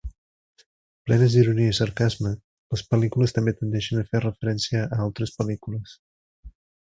Plenes d'ironia i sarcasme, les pel·lícules també tendeixen a fer referència a altres pel·lícules.